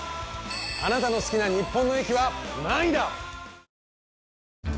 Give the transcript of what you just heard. あなたの好きな日本の駅は何位だ？